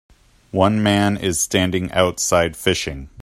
One man is standing outside fishing.